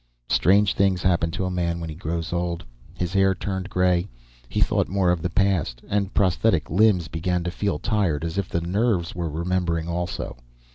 Strange things happened to a man when he grew old. His hair turned gray, he thought more of the past, and prosthetic limbs began to feel tired, as if the nerves were remembering also.